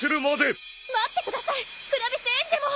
待ってくださいクラヴィスエンジェモン！